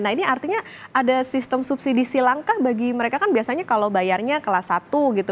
nah ini artinya ada sistem subsidi silangkah bagi mereka kan biasanya kalau bayarnya kelas satu gitu